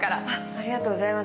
ありがとうございます。